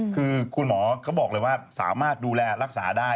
คือคุณหมอเขาบอกเลยว่าสามารถดูแลรักษาได้